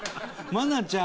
愛菜ちゃん。